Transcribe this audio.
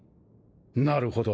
なるほど。